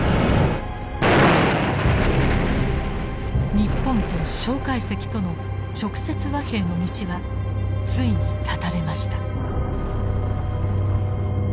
日本と介石との直接和平の道はついに絶たれました。